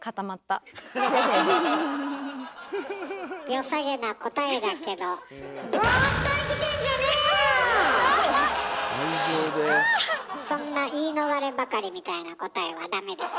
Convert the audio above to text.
よさげな答えだけどそんな言い逃ればかりみたいな答えはダメです。